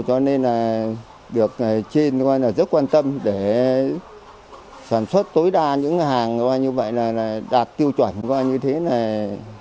cho nên là được trên rất quan tâm để sản xuất tối đa những hàng như vậy là đạt tiêu chuẩn như thế này